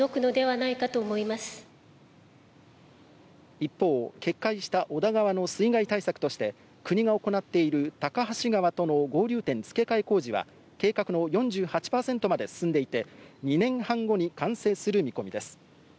一方、決壊した小田川の水害対策として国が行っている高梁川との合流点付け替え工事は計画の４８％まで進んでいて、２年半後に完成する見込みです。